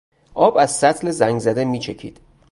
آب از سطل زنگزده میچکید.